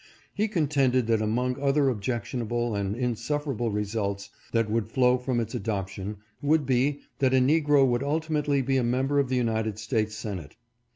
He contended that among other objectionable and insufferable results that would flow from its adoption, would be, that a negro would ultimately be a member of the United States Senate.